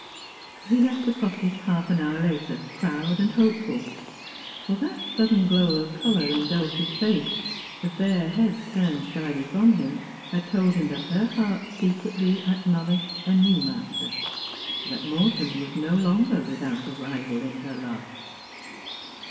He left the cottage half an hour later, proud and hopeful ; for that sudden glow of colour in Dulcie's face, the fair head turned shyly from him, had told him that her heart secretly acknowledged a new master ; that Morton was no longer with out a rival in her love.